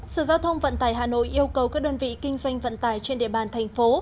sở giao thông vận tải hà nội yêu cầu các đơn vị kinh doanh vận tải trên địa bàn thành phố